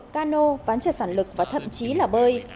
cano ván trờit phản lực và thậm chí là bơi